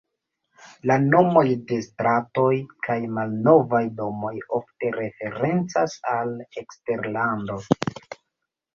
La nomoj de stratoj kaj malnovaj domoj ofte referencas al eksterlando.